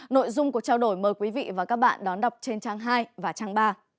nội dung của trao đổi mời quý vị và các bạn đón đọc trên trang hai và trang ba